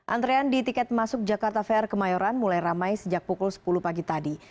antrean di tiket masuk jakarta fair kemayoran mulai ramai sejak pukul sepuluh pagi tadi